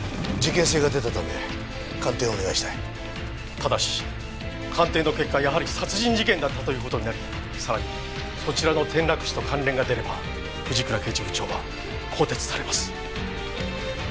ただし鑑定の結果やはり殺人事件だったという事になりさらにそちらの転落死と関連が出れば藤倉刑事部長は更迭されます。